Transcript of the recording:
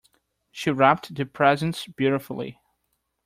She wrapped the presents beautifully.